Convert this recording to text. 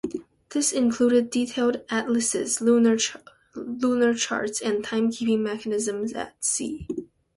This included detailed atlases, lunar charts, and timekeeping mechanisms at sea.